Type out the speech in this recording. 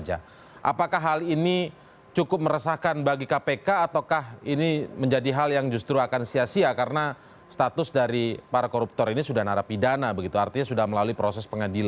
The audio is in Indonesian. apakah hal ini cukup meresahkan bagi kpk ataukah ini menjadi hal yang justru akan sia sia karena status dari para koruptor ini sudah narapidana begitu artinya sudah melalui proses pengadilan